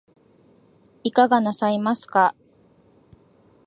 いかがなさいますか